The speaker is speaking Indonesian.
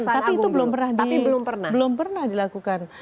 tapi itu belum pernah dilakukan